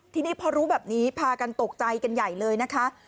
ทีนี้พอรู้แบบนี้พากันตกใจกันใหญ่เลยนะคะ